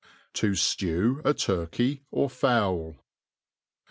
To Jlew a. Turkey^ er Fowl.